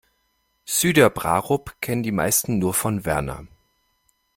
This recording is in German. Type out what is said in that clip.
Süderbrarup kennen die meisten nur von Werner.